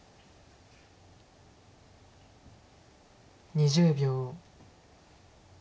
２０秒。